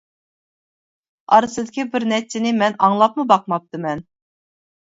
ئارىسىدىكى بىر نەچچىنى مەن ئاڭلاپمۇ باقماپتىكەنمەن.